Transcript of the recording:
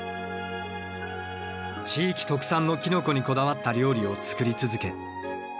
地域特産のキノコにこだわった料理を作り続け